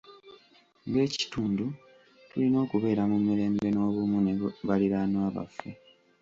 Ng'ekitundu, tulina okubeera mu mirembe n'obumu ne baliraanwa baffe.